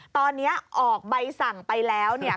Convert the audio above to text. ตอนนี้ออกใบสั่งไปแล้ว